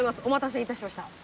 お待たせ致しました。